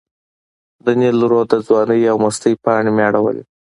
د نیل رود د ځوانۍ او مستۍ پاڼې مې اړولې.